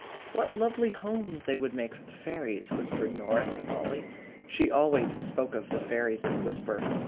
"What lovely homes they would make for the fairies," whispered Norah to Mollie. She always spoke of the fairies in a whisper.